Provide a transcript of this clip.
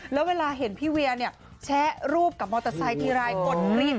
แล้วเวลาเห็นพี่เวียเนี่ยแชะรูปกับมอเตอร์ไซค์ทีไรกดรีบ